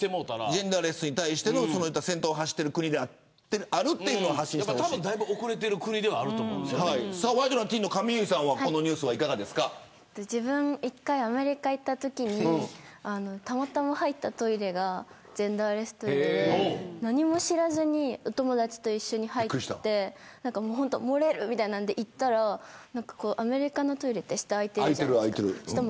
ジェンダーレスに対して先頭を走っている国である多分、だいぶ遅れてる国ではワイドナティーンの上結さんは１回、アメリカに行ったときにたまたま入ったトイレがジェンダーレストイレで何も知らずにお友達と一緒に入って漏れるみたいなので行ったらアメリカのトイレって下が空いているじゃないですか。